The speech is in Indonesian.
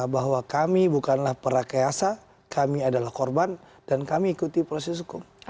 bahwa kami bukanlah perakyasa kami adalah korban dan kami ikuti proses hukum